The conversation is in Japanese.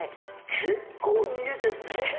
結構逃げてるね。